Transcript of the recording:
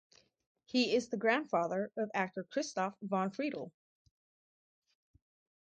He is the grandfather of actor Christoph von Friedl.